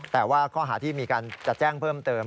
แต่ว่าข้อหาที่มีการจะแจ้งเพิ่มเติม